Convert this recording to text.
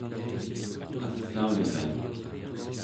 qassaulria